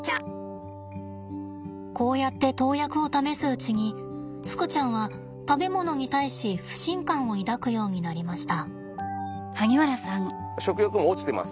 こうやって投薬を試すうちにふくちゃんは食べ物に対し不信感を抱くようになりました。